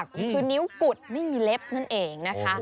คือนิ้วกุดไม่มีเล็บนั่นเองนะคะ